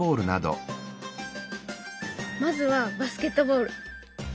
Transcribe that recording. まずはバスケットボール。